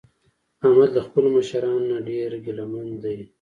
احمد له خپلو مشرانو نه ډېر ګله من دی.